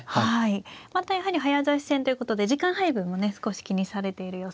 またやはり早指し戦ということで時間配分もね少し気にされている様子はありました。